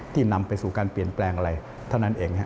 นำไปสู่การเปลี่ยนแปลงอะไรเท่านั้นเอง